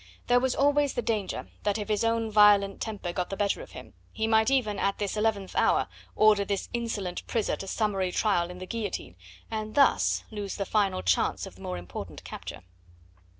There was always the danger that if his own violent temper got the better of him, he might even at this eleventh hour order this insolent prisoner to summary trial and the guillotine, and thus lose the final chance of the more important capture.